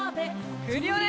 クリオネ！